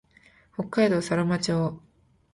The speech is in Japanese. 北海道佐呂間町